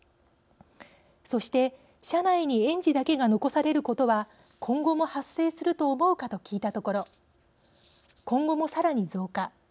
そして「車内に園児だけが残されることは今後も発生すると思うか」と聞いたところ「今後もさらに増加」